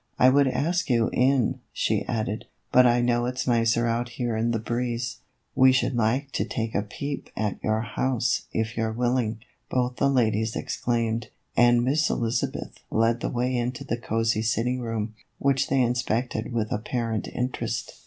" I would ask you in," she added, " but I know it 's nicer out here in the breeze." " We should like to take a peep at your house if you 're willing," both the ladies exclaimed, and Miss Elizabeth led the way into the cosy sitting room, which they inspected with apparent interest.